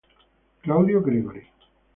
Claudio Gregori